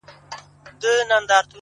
د ملالۍ له پلوونو سره لوبي کوي!.